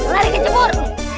lari ke jemur